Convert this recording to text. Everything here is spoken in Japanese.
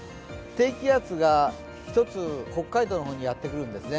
低気圧が１つ、北海道の方にやってくるんですね。